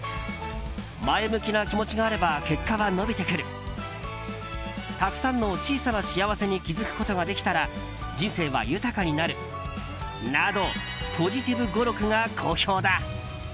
前向きな気持ちがあれば結果は伸びてくるたくさんの小さな幸せに気付くことができたら人生は豊かになるなどポジティブ語録が好評だ。